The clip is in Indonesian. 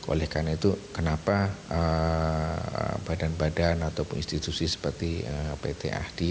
oleh karena itu kenapa badan badan ataupun institusi seperti pt ahdi